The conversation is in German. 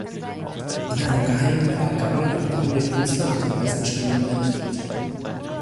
In einem geheimen Wahlgang wird dann der Künstler mit den meisten Stimmen ermittelt.